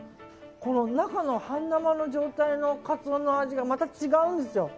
中の半生の状態のカツオの味がまた違うんですよ。